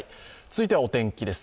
続いてはお天気です。